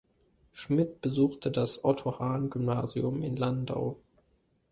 Schmitt besuchte das Otto-Hahn-Gymnasium in Landau.